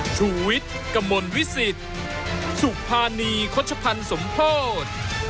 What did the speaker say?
ชูวิทย์กระมวลวิสิทธิ์สุภานีคชพรรณสมโพธิ์